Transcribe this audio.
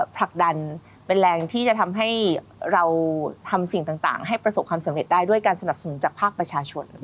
ผลักดันเป็นแรงที่จะทำให้เราทำสิ่งต่างให้ประสบความสำเร็จได้ด้วยการสนับสนุนจากภาคประชาชน